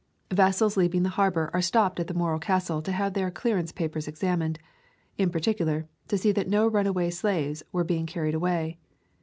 Vessels leaving the harbor are stopped at the Morro Castle to have their clearance papers examined; in particular, to see that no runa way slaves were being carried away.